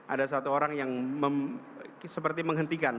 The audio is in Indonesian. ada satu orang yang seperti menghentikan